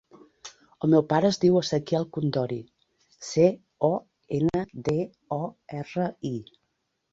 El meu pare es diu Ezequiel Condori: ce, o, ena, de, o, erra, i.